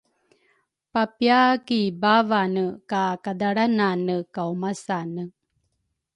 papia ki baavane ka kadalranane kaumasane